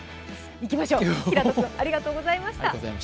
いきましょう、日高君ありがとうございました。